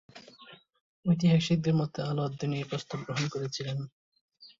ঐতিহাসিকদের মতে আলাউদ্দিন এই প্রস্তাব গ্রহণ করেছিলেন।